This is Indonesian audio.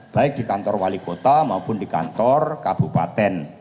baik di kantor wali kota maupun di kantor kabupaten